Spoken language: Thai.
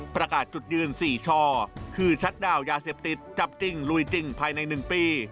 ประกาศจุดยืน๔ช่อคือชัดดาวยาเสพติดจับจริงลุยจริงภายใน๑ปี